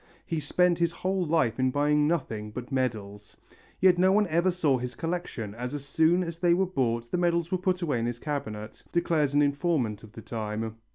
He spent his whole life in buying nothing but medals. Yet no one ever saw his collection; as soon as they were bought the medals were put away in his cabinet, declares an informant of the time.